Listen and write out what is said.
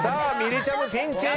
りちゃむピンチ！